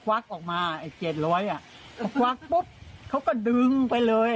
ควักออกมาเก็ตรอยอ่ะแล้วควักปุ๊บเขาก็ดึงไปเลย